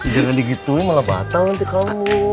jangan digituin malah batal nanti kamu